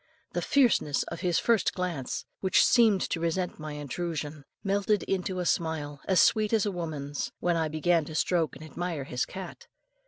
The fierceness of his first glance, which seemed to resent my intrusion, melted into a smile as sweet as a woman's, when I began to stroke and admire his cat.